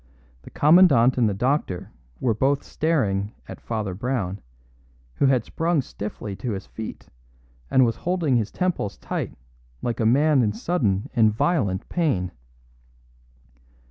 The Commandant and the doctor were both staring at Father Brown, who had sprung stiffly to his feet, and was holding his temples tight like a man in sudden and violent pain.